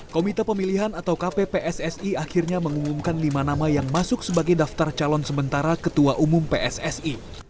komite pemilihan atau kppssi akhirnya mengumumkan lima nama yang masuk sebagai daftar calon sementara ketua umum pssi